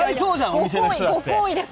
ご厚意です。